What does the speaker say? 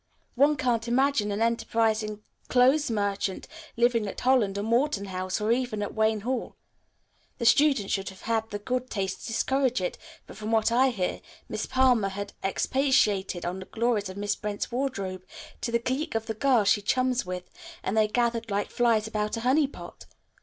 One can't imagine an enterprising clothes merchant living at Holland or Morton House or even at Wayne Hall. The students should have had the good taste to discourage it, but, from what I hear, Miss Palmer had expatiated on the glories of Miss Brent's wardrobe to the clique of girls she chums with, and they gathered like flies about a honey pot.